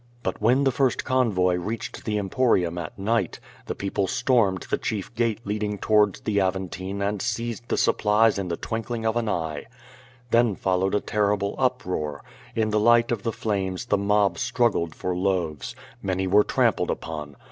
But when the first convoy reached the Emporium at night, the people stormed the chief gate leading towards the Aventine and seized the supplies in the twinkling of an eye. Then followed a terrible uproar. In the light of the flames the mob struggled for loaves. Many were trampled upon.